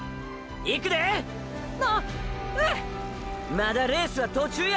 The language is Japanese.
まだレースは途中や！！